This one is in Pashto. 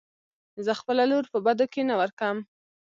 زه خپله لور په بدو کې نه ورکم .